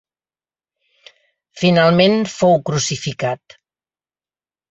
Finalment fou crucificat.